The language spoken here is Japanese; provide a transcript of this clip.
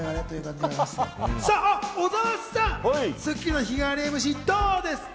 小澤さん、『スッキリ』の日替わりＭＣ、どうですか？